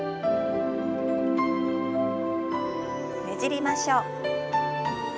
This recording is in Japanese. ねじりましょう。